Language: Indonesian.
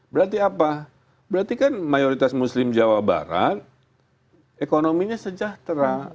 berarti apa berarti kan mayoritas muslim jawa barat ekonominya sejahtera